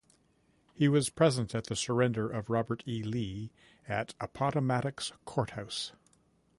He was present at the surrender of Robert E. Lee at Appomattox Court House.